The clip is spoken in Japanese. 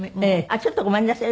ちょっとごめんなさい。